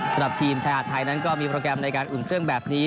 สำหรับทีมชายหาดไทยนั้นก็มีโปรแกรมในการอุ่นเครื่องแบบนี้